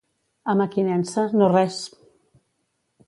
A Mequinensa, no res!